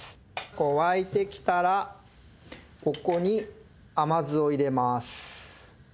こう沸いてきたらここに甘酢を入れます。